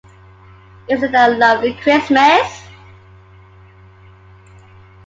Isn’t it a lovely Christmas?